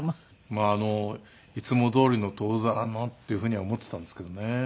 いつもどおりの徹だなっていうふうには思っていたんですけどね。